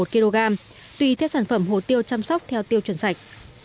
một kg tùy theo sản phẩm hồ tiêu chăm sóc theo tiêu chuẩn sạch